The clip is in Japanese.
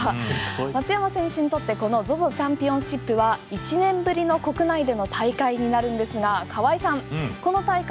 松山選手にとってこのＺＯＺＯチャンピオンシップ１年ぶりの国内での大会になるんですが川合さん